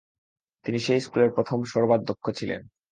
তিনি সেই স্কুলের প্রথম সর্বাধ্যক্ষ ছিলেন।